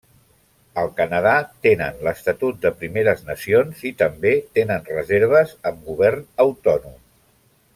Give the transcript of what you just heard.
Al Canadà, tenen l'estatut de Primeres Nacions i també tenen reserves amb govern autònom.